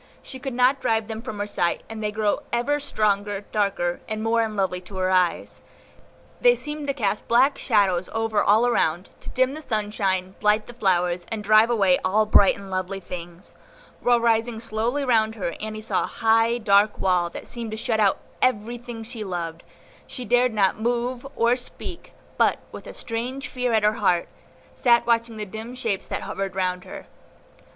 She could not drive them from her sight, and they grew ever stronger, darker, and more unlovely to her eyes. They seemed to cast black shadows over all around, to dim the sunshine, blight the flowers, and drive away all bright and lovely things; while rising slowly round her Annie saw a high, dark wall, that seemed to shut out everything she loved; she dared not move, or speak, but, with a strange fear at her heart, sat watching the dim shapes that hovered round her.